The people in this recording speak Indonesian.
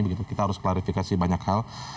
begitu kita harus klarifikasi banyak hal